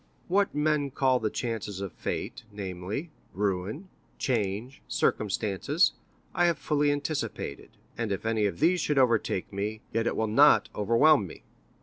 What men call the chances of fate—namely, ruin, change, circumstances—I have fully anticipated, and if any of these should overtake me, yet it will not overwhelm me.